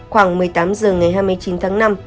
khoảng một mươi tám h ngày hai mươi chín tháng năm